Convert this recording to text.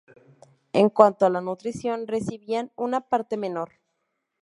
En cuanto a la nutrición, recibían una parte menor.